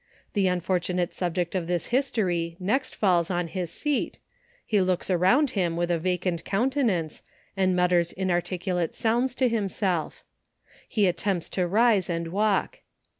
The unfortunate subject of this history next falls on his seat — he looks round with a vacant countenance, and mutters inarticu late sounds to himself ; he attempts to rise and walk.